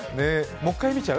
もう１回見ちゃう？